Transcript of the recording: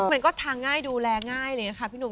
มันก็ทาง่ายดูแลง่ายเลยค่ะพี่หนุ่ม